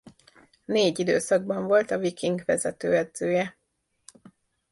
Négy időszakban volt a Viking vezetőedzője.